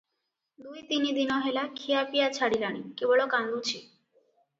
ଦୁଇ ତିନି ଦିନ ହେଲା ଖିଆପିଆ ଛାଡିଲାଣି, କେବଳ କାନ୍ଦୁଛି ।